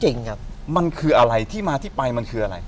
ครับมันคืออะไรที่มาที่ไปมันคืออะไร